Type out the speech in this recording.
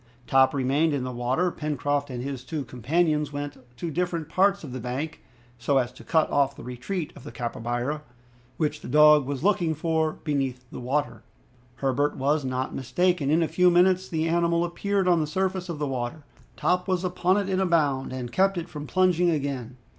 Top remained in the water. Pencroft and his two companions went to different parts of the bank, so as to cut off the retreat of the capybara, which the dog was looking for beneath the water. Herbert was not mistaken. In a few minutes the animal appeared on the surface of the water. Top was upon it in a bound, and kept it from plunging again.